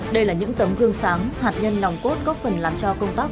đây là những tấm gương sáng hạt nhân nòng cốt góp phần làm cho công tác